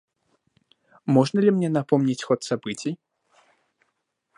Можно ли мне напомнить ход событий?